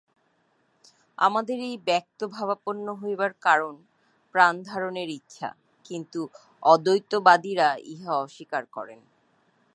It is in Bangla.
আমাদের এই ব্যক্তভাবাপন্ন হইবার কারণ প্রাণধারণের ইচ্ছা, কিন্তু অদ্বৈতবাদীরা ইহা অস্বীকার করেন।